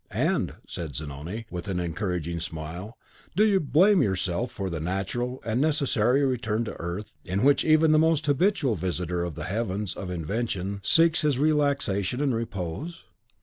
"And," said Zanoni, with an encouraging smile, "do you blame yourself for the natural and necessary return to earth, in which even the most habitual visitor of the Heavens of Invention seeks his relaxation and repose?